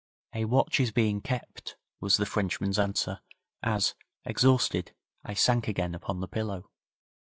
'A watch is being kept,' was the Frenchman's answer, as, exhausted, I sank again upon the pillow.